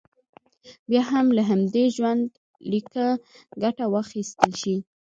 بیا هم باید له همدې ژوندلیکه ګټه واخیستل شي.